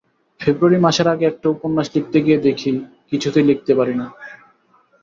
ফেব্রুয়ারি মাসের আগে একটা উপন্যাস লিখতে গিয়ে দেখি কিছুতেই লিখতে পারি না।